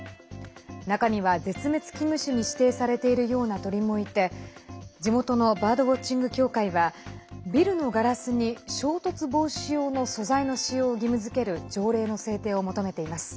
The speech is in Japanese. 中には、絶滅危惧種に指定されているような鳥もいて地元のバードウォッチング協会はビルのガラスに衝突防止用の素材の使用を義務づける条例の制定を求めています。